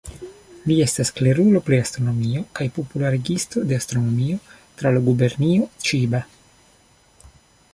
Li estas klerulo pri astronomio kaj popularigisto de astronomio tra la gubernio Ĉiba.